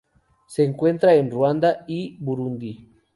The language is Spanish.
Se encuentra en Ruanda y Burundi.